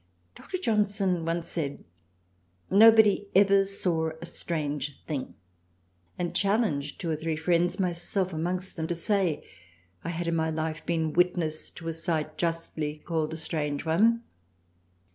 Dr. Johnson once said nobody ever saw a strange thing ; and Challenged two or three Friends (myself 44 THRALIANA amongst them) to say I had in my Life been Witness to any Sight justly called a Strange one.